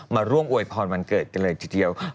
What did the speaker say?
มาร่วมอวยพรวันเกิดกันเลยทีเดียว